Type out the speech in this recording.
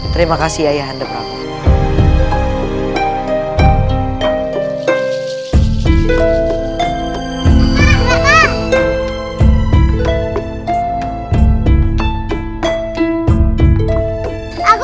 terima kasih ayahanda prabowo